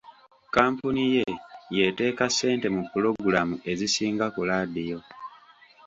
Kkampuni ye y'eteeka ssente mu pulogulamu ezisinga ku laadiyo.